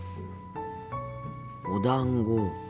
おだんご。